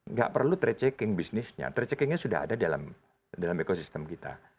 nggak perlu trade checking bisnisnya trade checkingnya sudah ada dalam ekosistem kita